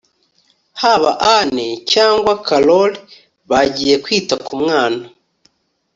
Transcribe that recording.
haba ann cyangwa carol bagiye kwita ku mwana